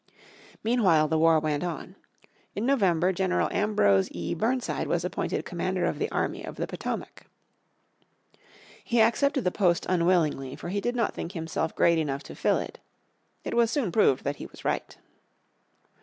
Meanwhile the war went on. In November General Ambrose E. Burnside was appointed commander of the army of the Potomac. He accepted the post unwillingly, for he did not think himself great enough to fill it. It was soon proved that he was right.